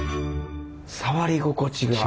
触り心地が。